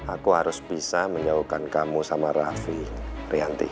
aku harus bisa menjauhkan kamu sama raffi rianti